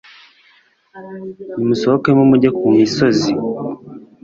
nimusohokemo mujye ku misozi